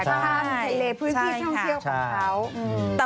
สร้างทะเลพื้นที่ท่องเที่ยวของเขา